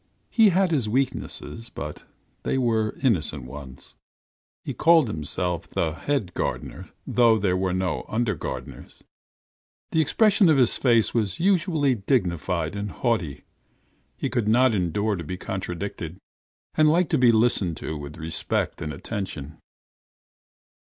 He had his weaknesses, but they were innocent ones: he called himself the head gardener, though there were no under gardeners; the expression of his face was unusually dignified and haughty; he could not endure to be contradicted, and liked to be listened to with respect and attention.